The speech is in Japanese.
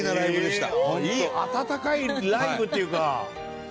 温かいライブというか。